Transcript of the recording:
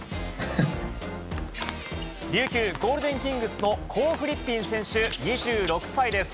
琉球ゴールデンキングスのコー・フリッピンです。